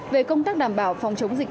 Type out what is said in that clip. về công tác đảm bảo phòng chống dịch